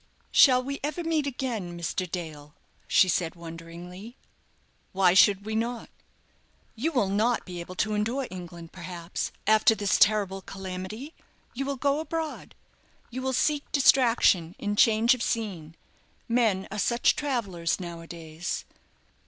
"Shall we ever meet again, Mr. Dale?" she said, wonderingly. "Why should we not?" "You will not be able to endure England, perhaps, after this terrible calamity. You will go abroad. You will seek distraction in change of scene. Men are such travellers now a days."